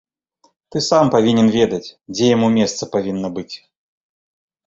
Ты сам павінен ведаць, дзе яму месца павінна быць!